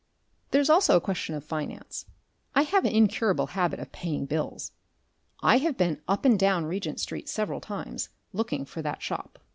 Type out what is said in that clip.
There's also a question of finance. I have an incurable habit of paying bills. I have been up and down Regent Street several times, looking for that shop.